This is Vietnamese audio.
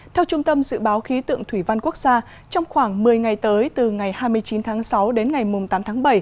theo trung tâm dự báo khí tượng thủy văn quốc gia trong khoảng một mươi ngày tới từ ngày hai mươi chín tháng sáu đến ngày tám tháng bảy